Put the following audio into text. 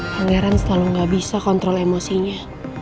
pak ngeran selalu gak bisa kontrol emosinya